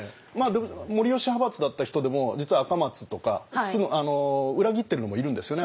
護良派閥だった人でも実は赤松とか裏切ってるのもいるんですよね。